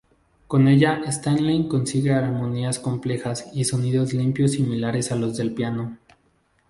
Con ella Stanley consigue armonías complejas y sonidos limpios similares a los del piano.